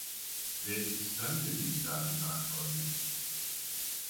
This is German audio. Wer ist dann für diese Daten verantwortlich?